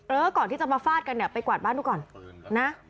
เออก่อนที่จะมาฟาดกันเนี่ยไปกวาดบ้านดูก่อนนะ